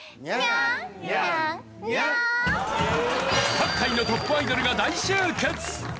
各界のトップアイドルが大集結！